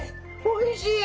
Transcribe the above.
おいしい！